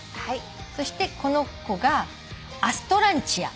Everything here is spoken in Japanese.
そしてこの子がアストランチア。